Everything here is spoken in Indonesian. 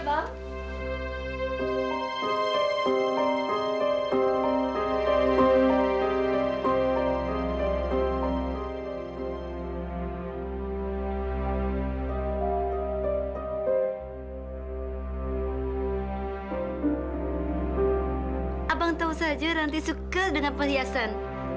hai abang tahu saja nanti suka dengan perhiasan